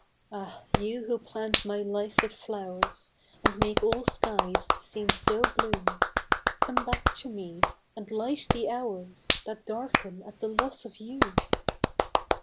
Ah ! you who plant my life with flow'rs, And make all skies to seem so blue, Come back to me, and light the hours, That darken at the loss of you